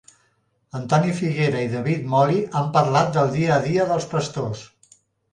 Antoni Figuera i David Moli han parlat del dia a dia dels pastors.